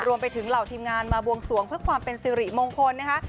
เหล่าทีมงานมาบวงสวงเพื่อความเป็นสิริมงคลนะคะ